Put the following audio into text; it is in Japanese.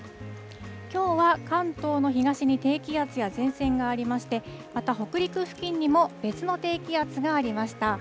きょうは関東の東に低気圧や前線がありまして、また北陸付近にも別の低気圧がありました。